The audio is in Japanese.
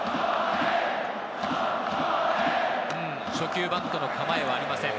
初球、バントの構えはありません。